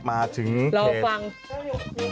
มาถึงเคส